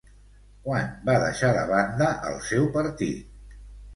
Quan va deixar de banda el seu partit?